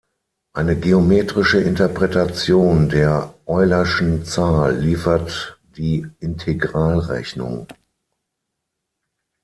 Eine geometrische Interpretation der Eulerschen Zahl liefert die Integralrechnung.